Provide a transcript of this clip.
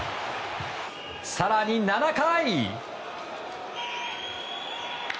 更に、７回。